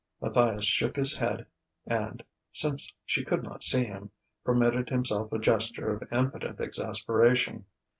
Matthias shook his head and (since she could not see him) permitted himself a gesture of impotent exasperation.